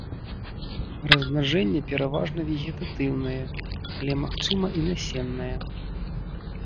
Размнажэнне пераважна вегетатыўнае, але магчыма і насеннае.